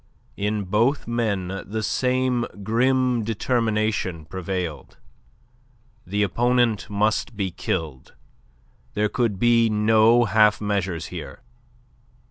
In both men the same grim determination prevailed. The opponent must be killed; there could be no half measures here.